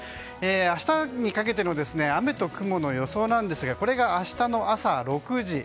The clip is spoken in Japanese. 明日にかけての雨と雲の予想なんですがこれが明日の朝６時。